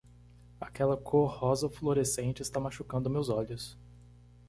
Aquela cor rosa fluorescente está machucando meus olhos.